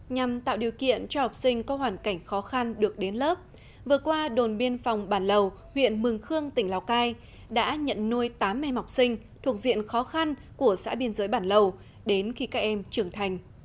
nhằm tạo điều kiện cho học sinh có hoàn cảnh khó khăn được đến lớp vừa qua đồn biên phòng bản lầu huyện mường khương tỉnh lào cai đã nhận nuôi tám em học sinh thuộc diện khó khăn của xã biên giới bản lầu đến khi các em trưởng thành